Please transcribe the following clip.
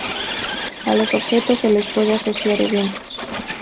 A los objetos se les puede asociar eventos.